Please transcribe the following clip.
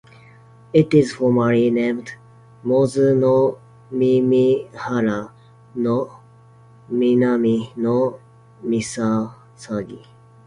It is formally named Mozu no mimihara no minami no misasagi.